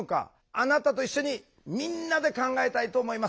あなたと一緒にみんなで考えたいと思います。